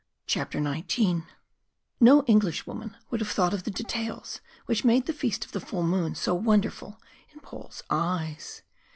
CHAPTER XIX No Englishwoman would have thought of the details which made the Feast of the Full Moon so wonderful in Paul's eyes.